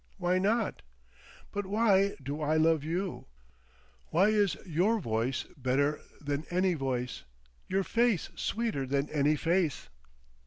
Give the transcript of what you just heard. "Why not?" "But why do I love you? Why is your voice better than any voice, your face sweeter than any face?"